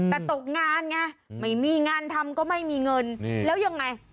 แต่ตกงานไงไม่มีงานทำก็ไม่มีเงินแล้วยังไง